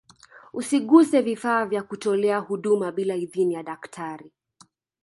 usiguse vifaa vya kutolea huduma bila idhini ya daktari